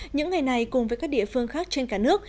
những ngày này cùng với các địa phương khác trên cả nước